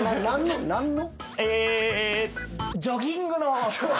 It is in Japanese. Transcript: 何の？